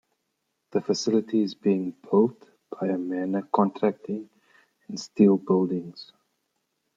The facility is being built by Amana Contracting and Steel Buildings.